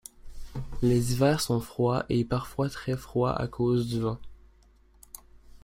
Les hivers sont froids, et parfois très froids à cause du vent.